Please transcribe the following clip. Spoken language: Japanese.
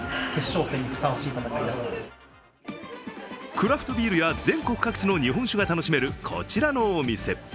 クラフトビールや全国各地の日本酒が楽しめるこちらのお店。